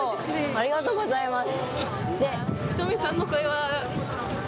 ありがとうございます！